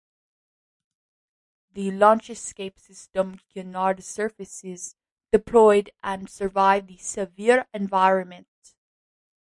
The launch escape system canard surfaces deployed and survived the severe environment.